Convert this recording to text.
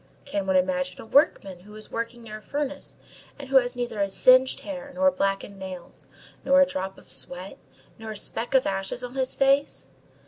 Can one imagine a workman who is working near a furnace, and who has neither a singed hair, nor blackened nails, nor a drop of sweat, nor a speck of ashes on his face?